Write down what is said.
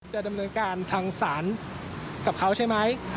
จะดำเนินการทางศาลกับเขาใช่ไหม